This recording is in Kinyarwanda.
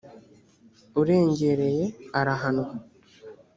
urengereye arahanwa